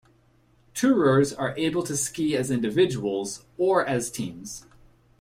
Tourers are able to ski as individuals, or as teams.